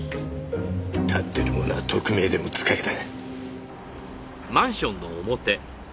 立ってるものは特命でも使えだ。